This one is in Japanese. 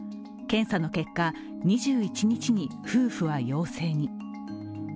検査の結果、２１日に夫婦は陽性に。